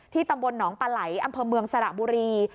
ตำบลหนองปลาไหลอำเภอเมืองสระบุรี